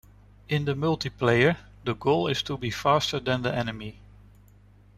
In the multiplayer, the goal is to be faster than the enemy.